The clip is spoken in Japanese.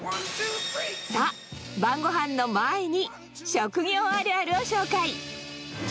さあ、晩ごはんの前に、職業あるあるを紹介。